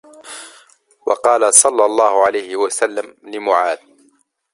وَقَالَ صَلَّى اللَّهُ عَلَيْهِ وَسَلَّمَ لِمُعَاذٍ